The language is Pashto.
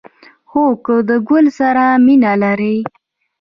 خو که د گل سره مینه لرئ